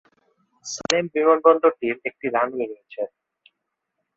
সালেম বিমানবন্দরটির একটি রানওয়ে রয়েছে।